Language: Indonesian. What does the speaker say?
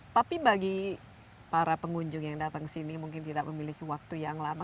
tapi bagi para pengunjung yang datang sini mungkin tidak memiliki waktu yang lama